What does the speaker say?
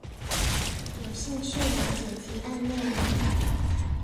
有興趣了解提案內容